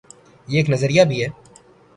یہ ایک نظریہ بھی ہے۔